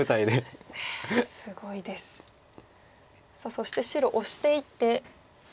そして白オシていって。